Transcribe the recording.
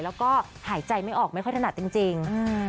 แล้วก็หายใจไม่ออกไม่ค่อยถนัดจริง